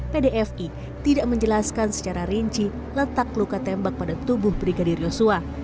pdfi tidak menjelaskan secara rinci letak luka tembak pada tubuh brigadir yosua